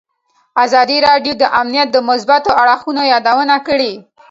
ازادي راډیو د امنیت د مثبتو اړخونو یادونه کړې.